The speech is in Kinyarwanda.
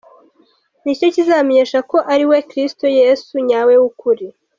Nicyo kizabamenyesha ko ari we Kristo Yesu nyawe w’ukuri.